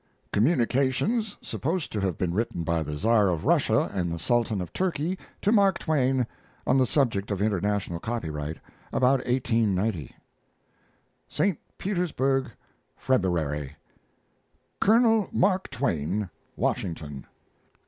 Communications supposed to have been written by the Tsar of Russia and the Sultan of Turkey to Mark Twain on the subject of International Copyright, about 1890. ST. PETERSBURG, February. COL. MARK TWAIN, Washington.